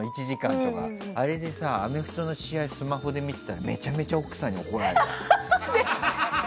あれでさ、アメフトの試合をスマホで見てたらめちゃめちゃ奥さんに怒られた。